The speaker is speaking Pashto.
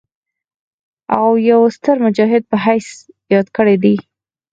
او يو ستر مجاهد پۀ حييث ياد کړي دي